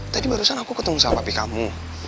tadi barusan aku ketemu sama pik kamu